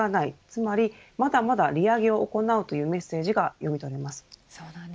つまりまだまだ利上げを行うというメッセージが読み取れます。